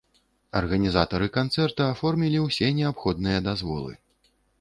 Арганізатары канцэрта аформілі ўсе неабходныя дазволы.